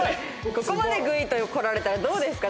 ここまでグイッとこられたらどうですか？